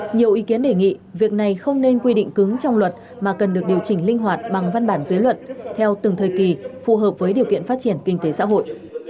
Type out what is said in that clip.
nhiều ý kiến đề nghị việc này không nên quy định cứng trong luật mà cần được điều chỉnh linh hoạt bằng văn bản giới luật theo từng thời kỳ phù hợp với điều kiện phát triển kinh tế xã hội